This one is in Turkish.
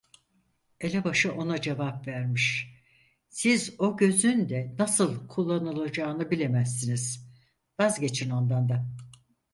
Elebaşı ona cevap vermiş: "Siz o gözün de nasıl kullanılacağını bilemezsiniz, vazgeçin ondan da…"